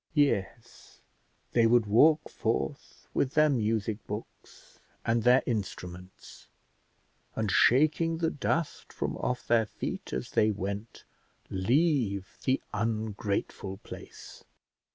Yes, they would walk forth with their music books, and their instruments, and shaking the dust from off their feet as they went, leave the ungrateful place.